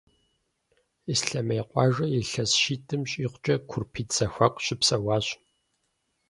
Ислъэмей къуажэр илъэс щитӏым щӏигъукӏэ Курпитӏ зэхуаку щыпсэуащ.